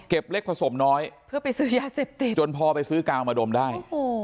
เล็กผสมน้อยเพื่อไปซื้อยาเสพติดจนพอไปซื้อกาวมาดมได้